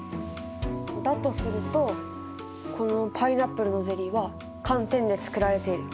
だとするとこのパイナップルのゼリーは寒天で作られている。